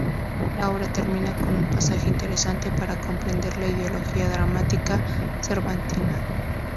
La obra termina con un pasaje interesante para comprender la ideología dramática cervantina.